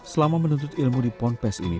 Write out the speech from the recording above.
selama menuntut ilmu di pondok pesantren ini